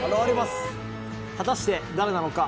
果たして、誰なのか。